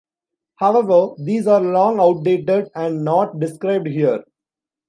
However these are long outdated and not described here.